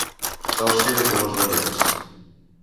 Sol ser de colors variats.